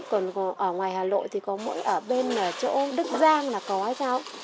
còn ở ngoài hà lội thì có mỗi ở bên chỗ đức giang là có cháu